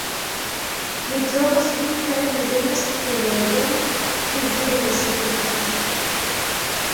Mi trovos vin kaj mi donos prelegon pri via naskiĝo.